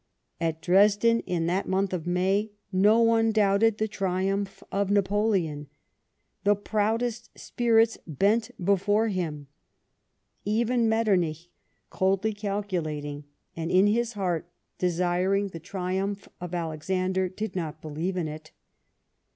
At Dresden, in that month of May, no one doubted the triumph of Napoleon. The proudest spirits bent before him. Even Metternich, coldly calcu lating, and in his heart desiring the triumph of Alexander, did not believe in it.